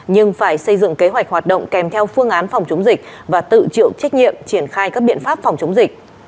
nhưng phải xây dựng kế hoạch hoạt động kèm theo phương án phòng chống dịch và tự chịu trách nhiệm triển khai các biện pháp phòng chống dịch